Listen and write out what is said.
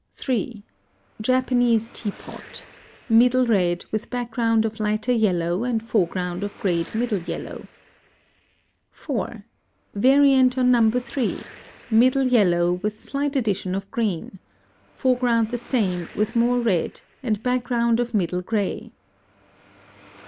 3. Japanese teapot. Middle red, with background of lighter yellow and foreground of grayed middle yellow. 4. Variant on No. 3. Middle yellow, with slight addition of green. Foreground the same, with more red, and background of middle gray.